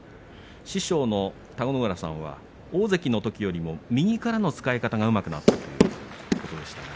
師匠の田子ノ浦さんは大関のときよりも右からの使い方がうまくなっていると言っていました。